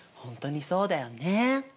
ほんとにそうだよね。